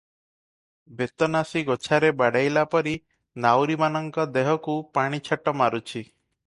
ବେତନାସି ଗୋଛାରେ ବାଡ଼େଇଲା ପରି ନାଉରୀମାନଙ୍କ ଦେହକୁ ପାଣି ଛାଟ ମାରୁଛି ।